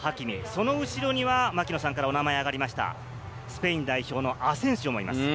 その後ろには槙野さんからお名前があがりました、スペイン代表のアセンシオもいます。